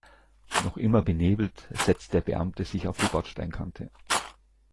Noch immer benebelt setzt der Beamte sich auf die Bordsteinkante.